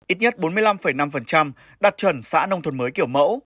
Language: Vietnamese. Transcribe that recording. ít nhất bốn mươi năm năm đạt chuẩn xã nông thôn mới kiểu mẫu